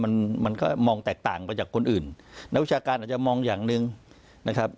มันมันก็มองแตกต่างไปจากคนอื่นนักวิชาการอาจจะมองอย่างหนึ่งนะครับ